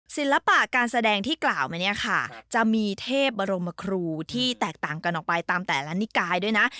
ศิลปะการแสดงที่กล่าวมาเนี่ยค่ะจะมีเทพบรมครูที่แตกต่างกันออกไปตามแต่ละนิกายด้วยนะ